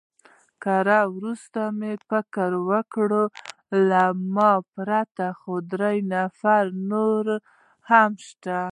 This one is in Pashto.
ګړی وروسته مې فکر وکړ، له ما پرته خو درې نفره نور هم شته.